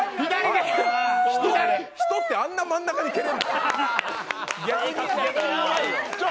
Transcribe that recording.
人って、あんな真ん中に蹴れんの？